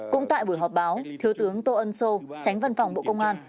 cũng tại buổi họp báo thiếu tướng tô ân sô tránh văn phòng bộ công an